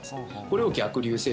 これを逆流性